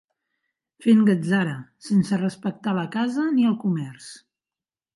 Fent gatzara, sense respectar la Casa, ni el comerç